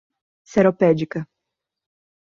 Seropédica